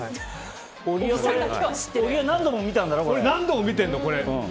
小木は何度も見たんだろ俺、何度も見てるの。